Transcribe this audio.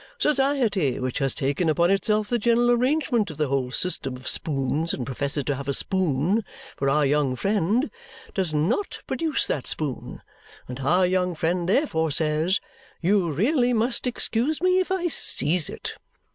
Society, which has taken upon itself the general arrangement of the whole system of spoons and professes to have a spoon for our young friend, does NOT produce that spoon; and our young friend, therefore, says 'You really must excuse me if I seize it.'